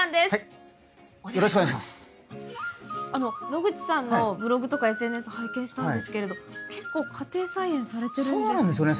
野口さんのブログとかＳＮＳ拝見したんですけれど結構家庭菜園されてるんですね。